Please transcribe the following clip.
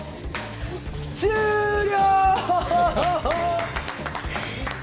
終了！